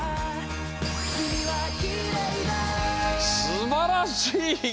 すばらしいヒゲ！